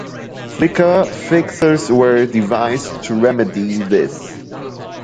Flicker fixers were devised to remedy this.